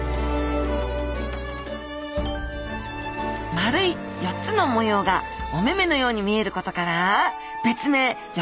まるい４つの模様がおめめのように見えることから別名よ